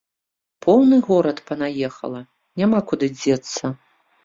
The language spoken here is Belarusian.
Поўны горад панаехала, няма куды дзецца.